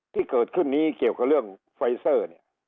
ที่เกิดขึ้นนี้เกี่ยวกับเรื่องไฟเซอร์เนี่ย